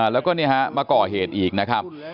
แล้วก็เนี่ยฮะมาก่อเหตุน่ะครับ